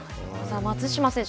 松島選手